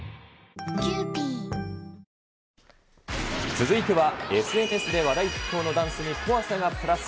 続いては、ＳＮＳで話題沸騰のダンスに怖さがプラス。